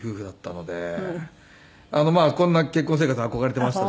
こんな結婚生活憧れていましたし。